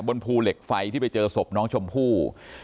บนภูเหล็กไฟที่ไปเจอศพน้องชมพู่